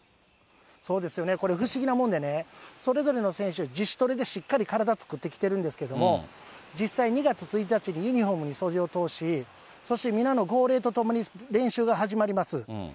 そうですよね、これ、不思議なもんでね、それぞれの選手、自主トレでしっかり体作ってきてるんですけど、実際、２月１日にユニホームに袖を通し、そして皆の号令とともに練習が始まります。